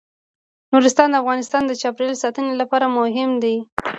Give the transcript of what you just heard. نورستان د افغانستان د چاپیریال ساتنې لپاره مهم دي.